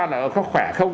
là có khỏe không